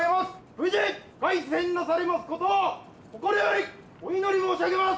無事凱旋なされますことを心よりお祈り申し上げます。